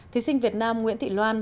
thí sinh việt nam nguyễn thị loan